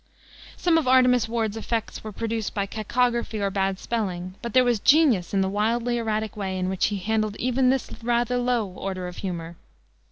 Some of Artemus Ward's effects were produced by cacography or bad spelling, but there was genius in the wildly erratic way in which he handled even this rather low order of humor.